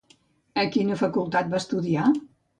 A quina facultat va estudiar?